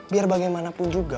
biar bagaimanapun juga